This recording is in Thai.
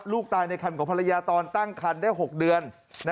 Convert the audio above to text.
ลูกตายในคันของภรรยาตอนตั้งคันได้๖เดือน